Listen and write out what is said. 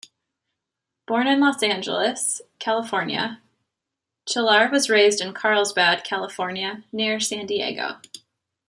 Born in Los Angeles, California, Chillar was raised in Carlsbad, California, near San Diego.